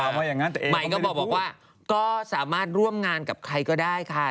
หมายก็บอกว่าก็สามารถร่วมงานกับใครก็ได้ค่ะ